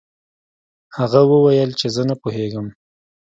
هغه وویل چې زه نه پوهیږم.